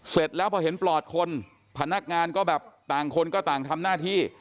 เสร็จแล้วพอเห็นปลอดคนพนักงานก็แบบต่างคนก็ต่างทำหน้าที่